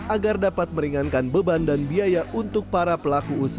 agar dapat meringankan beban dan biaya untuk para pelaku usaha